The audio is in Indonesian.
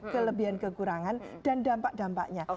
kelebihan kekurangan dan dampak dampaknya